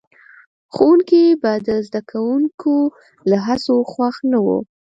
ښوونکي به د زده کوونکو له هڅو خوښ نه وو.